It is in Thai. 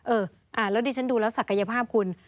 เออแล้วดิฉันดูแล้วศักยภาพคุณ